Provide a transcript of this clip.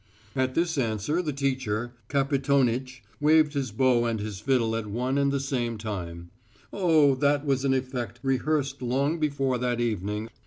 At this answer the teacher, Kapitonitch, waved his bow and his fiddle at one and the same time oh, that was an effect rehearsed long before that evening!